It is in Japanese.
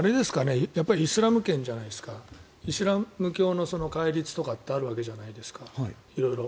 やっぱりイスラム圏じゃないですかイスラム教の戒律とかってあるわけじゃないですか、色々。